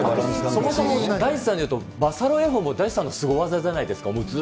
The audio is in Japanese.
そもそも大地さんのバサロ泳法も大地さんのスゴ技じゃないですか。